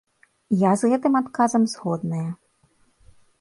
Я з гэтым адказам згодная.